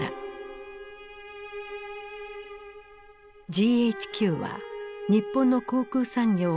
ＧＨＱは日本の航空産業を解体。